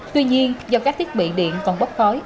tuy nhiên do các thiết bị điện còn bốc khói